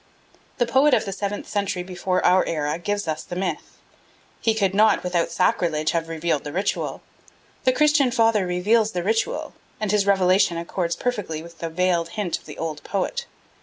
The poet of the seventh century before our era gives us the myth he could not without sacrilege have revealed the ritual: the Christian father reveals the ritual, and his revelation accords perfectly with the veiled hint of the old poet.